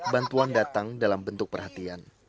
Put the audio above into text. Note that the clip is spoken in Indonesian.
bantuan datang dalam bentuk perhatian